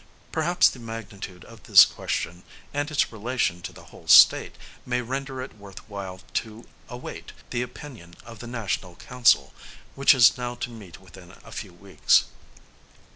Perhaps, the magnitude of this question, and its relation to the whole state, may render it worth while to await, the opinion of the National Council, which is now to meet within a few weeks.